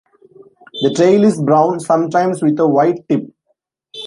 The tail is brown, sometimes with a white tip.